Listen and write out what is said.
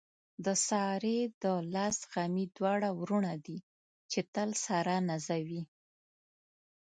د سارې د لاس غمي دواړه وروڼه دي، چې تل ساره نازوي.